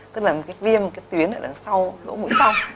tức là một cái viêm một cái tuyến ở đằng sau lỗ mũi sau